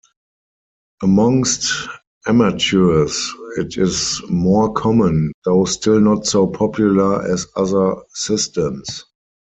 Amongst amateurs it is more common, though still not so popular as other systems.